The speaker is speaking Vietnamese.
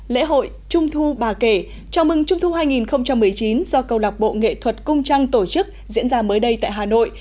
lễ hội trung thu bà kể chào mừng trung thu hai nghìn một mươi chín do câu lạc bộ nghệ thuật cung trăng tổ chức diễn ra mới đây tại hà nội